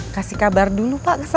kasih kabar dulu pak ke saya